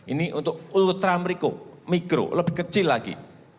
ini untuk ultra merikuk mikro lebih kecil lagi